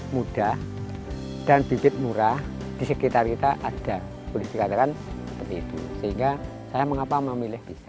muda dan bibit murah di sekitar kita ada politik keterangan sehingga saya mengapa memilih bisa